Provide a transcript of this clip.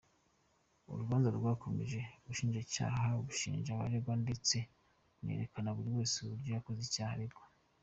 Urubanza rwakomeje ubushinjacyaha bushinja abaregwa ndetse bunerekana buri wese uburyo yakoze icyaha aregwa.